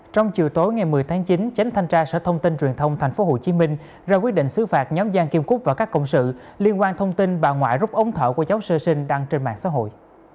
trong chiều tối ngày một mươi tháng chín chánh thanh tra sở thông tin truyền thông tp hcm ra quyết định xứ phạt nhóm giang kim cúc và các cộng sự liên quan thông tin bà ngoại rút ống thở của cháu sơ sinh đăng trên mạng xã hội